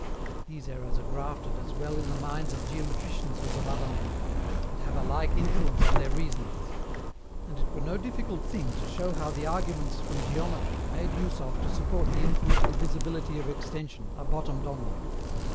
These errors are grafted as well in the minds of geometricians as of other men, and have a like influence on their reasonings; and it were no difficult thing to show how the arguments from Geometry made use of to support the infinite divisibility of extension are bottomed on them.